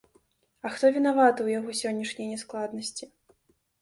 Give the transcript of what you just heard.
А хто вінаваты ў яго сённяшняй няскладнасці?